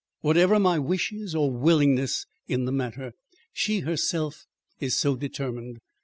Whatever my wishes or willingness in the matter, she herself is so determined.